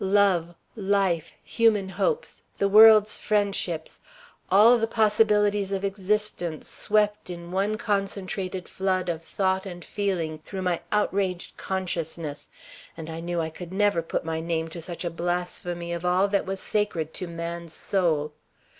Love, life, human hopes, the world's friendships all the possibilities of existence, swept in one concentrated flood of thought and feeling through my outraged consciousness, and I knew I could never put my name to such a blasphemy of all that was sacred to man's soul.